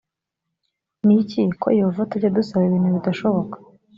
n iki ko yehova atajya adusaba ibintu bidashoboka